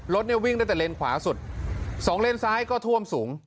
รถเนี่ยวิ่งตั้งแต่เลนขวาสุดสองเลนซ้ายก็ท่วมสูง